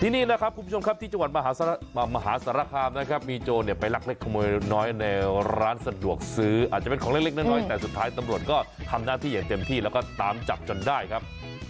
นี่นะครับคุณผู้ชมครับที่จังหวัดมหาสารคามนะครับมีโจรเนี่ยไปลักเล็กขโมยน้อยในร้านสะดวกซื้ออาจจะเป็นของเล็กน้อยแต่สุดท้ายตำรวจก็ทำหน้าที่อย่างเต็มที่แล้วก็ตามจับจนได้ครับ